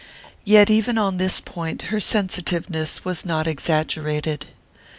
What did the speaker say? Yet even on this point her sensitiveness was not exaggerated.